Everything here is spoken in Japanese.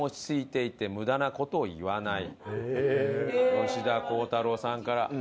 吉田鋼太郎さんから。